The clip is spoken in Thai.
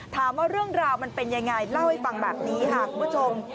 ถามว่าเรื่องราวมันเป็นยังไงเล่าให้ฟังแบบนี้ค่ะคุณผู้ชม